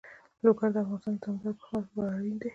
لوگر د افغانستان د دوامداره پرمختګ لپاره اړین دي.